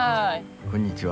こんにちは。